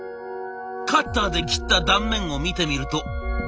カッターで切った断面を見てみると。